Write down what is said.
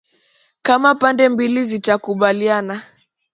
kama pande mbili zitakubaliana